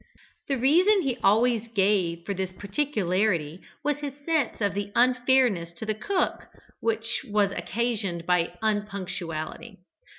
The reason he always gave for this particularity was his sense of the unfairness to the cook which was occasioned by unpunctuality.